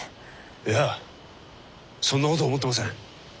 いやそんなこと思ってません。